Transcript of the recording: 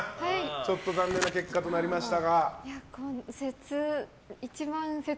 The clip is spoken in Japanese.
ちょっと残念な結果となりました。